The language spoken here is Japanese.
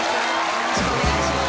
よろしくお願いします